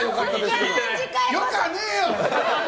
よくはねえよ！